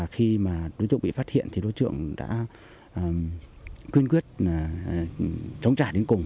khi đối tượng bị phát hiện thì đối tượng đã quyên quyết trốn trả đến cùng